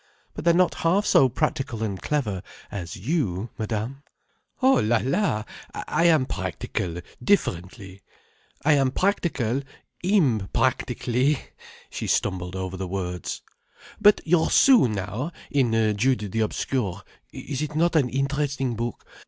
"But they're not half so practical and clever as you, Madame." "Oh la—la! I am practical differently. I am practical impractically—" she stumbled over the words. "But your Sue now, in Jude the Obscure—is it not an interesting book?